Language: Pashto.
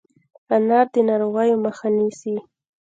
انار د ناروغیو مخه نیسي.